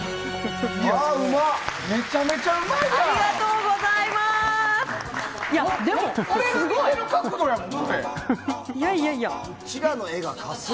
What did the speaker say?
めちゃくちゃうまいやん！